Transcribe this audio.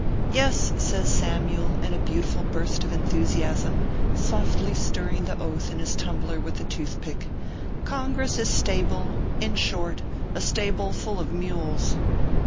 Yes/ says Samyule, in a beautiful burst of enthusiasm, softly stirring the Oath in his tumbler with a toothpick, "Congress is stable in short, a stable full of mules."